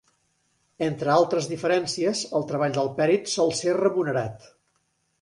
Entre altres diferències, el treball del pèrit sol ser remunerat.